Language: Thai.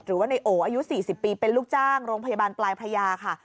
หรือว่าในโออายุ๔๐ปีเป็นลูกจ้างโรงพยาบาลปลายพระยาค่ะ